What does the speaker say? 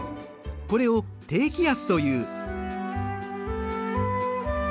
これを低気圧という。